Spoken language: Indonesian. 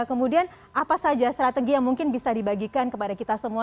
kemudian apa saja strategi yang mungkin bisa dibagikan kepada kita semua